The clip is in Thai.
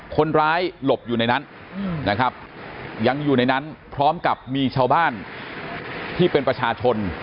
หลบอยู่ในนั้นนะครับยังอยู่ในนั้นพร้อมกับมีชาวบ้านที่เป็นประชาชน